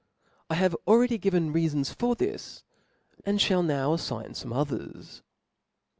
I have already given reafons (^) for this, and fhall now affign(OBoofc fome others.